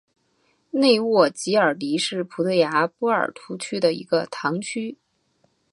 内沃吉尔迪是葡萄牙波尔图区的一个堂区。